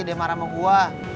dia marah sama gue